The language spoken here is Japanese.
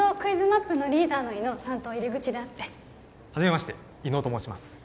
マップのリーダーの伊能さんと入り口で会ってはじめまして伊能と申します